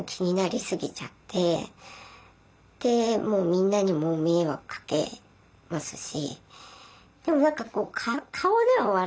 みんなにも迷惑かけますし。